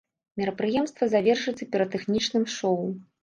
Мерапрыемства завершыцца піратэхнічным шоў.